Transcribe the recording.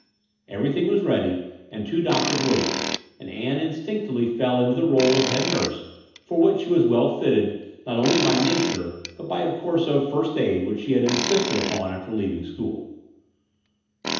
Everything was ready, and two doctors waiting, and Ann instinctively fell into the r61e of head nurse, for which she was well fitted not only by nattire, but by a course of first aid" which she had insisted upon after leaving school.